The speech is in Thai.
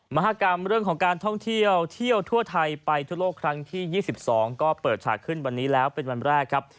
มหากรรมเรื่องของการท่องเที่ยวเที่ยวทั่วไทยไปทั่วโลกครั้งที่๒๒ก็เปิดฉากขึ้นวันนี้แล้วเป็นวันแรกครับ